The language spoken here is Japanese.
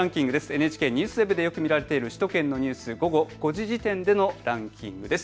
ＮＨＫＮＥＷＳＷＥＢでよく見られている午後５時時点でのランキングです。